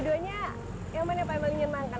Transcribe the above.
dua duanya yang mana pak yang paling ingin makan